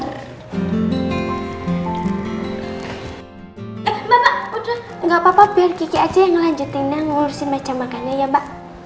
udah ga papa biar kiki aja yang ngelanjutin ya ngurusin mecah makannya ya mbak